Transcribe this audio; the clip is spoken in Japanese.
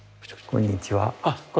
こんにちは。